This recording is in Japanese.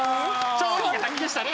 商品が先でしたね。